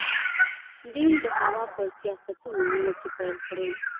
دینګ د هوا پر سیاستونو نیوکې پیل کړې.